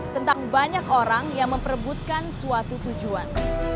tentang banyak orang yang memperebutkan suatu tujuan